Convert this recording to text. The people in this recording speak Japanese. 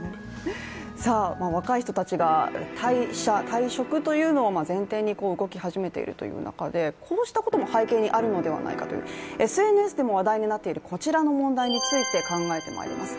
若い人たちが退社、退職というのを前提に動き始めているという中でこうしたことも背景にあるのではないかという、ＳＮＳでも話題になっているこちらの問題について考えていきます。